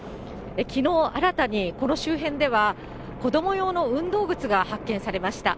きのう、新たにこの周辺では、子ども用の運動靴が発見されました。